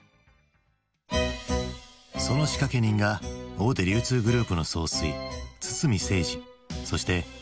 その仕掛け人が大手流通グループの総帥堤清二そして増田通二だった。